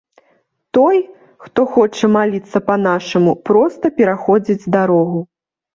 Той, хто хоча маліцца па-нашаму, проста пераходзіць дарогу.